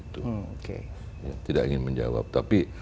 tidak ingin menjawab tapi